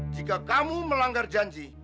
jika kamu melanggar janji